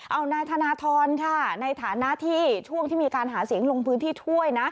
เอานายธนทรค่ะในฐานะที่ช่วงที่มีการหาเสียงลงพื้นที่ช่วยนะ